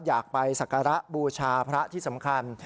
อยากไปสักการะบูชาพระที่สำคัญ